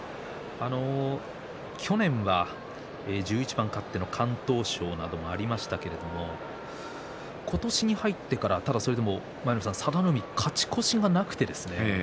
去年は１１番勝っての敢闘賞などもありましたけれども今年に入ってからまだそれでも佐田の海勝ち越しがなくてですね